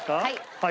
はい。